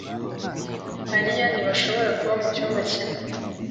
Mariya ntibashobora kuba mucyumba kimwe.